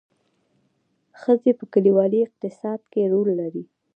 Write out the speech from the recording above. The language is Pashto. ښځې په کلیوالي اقتصاد کې رول لري